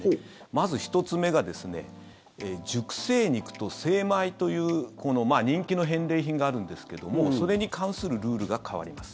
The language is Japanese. まず１つ目が熟成肉と精米という人気の返礼品があるんですけどもそれに関するルールが変わります。